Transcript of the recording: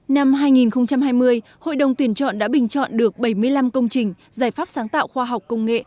năm hai nghìn hai mươi hội đồng tuyển chọn đã bình chọn được bảy mươi năm công trình giải pháp sáng tạo khoa học công nghệ